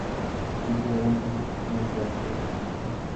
Así, quedaron cinco personas para hacer la revista.